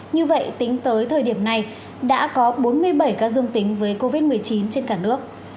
như vậy tính tới thời điểm này đã có bốn mươi bảy ca dương tính với covid một mươi chín trên cả nước